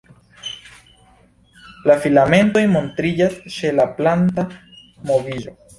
La filamentoj montriĝas ĉe la planta moviĝo.